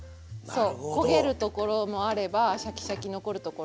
そう焦げるところもあればシャキシャキ残るところも。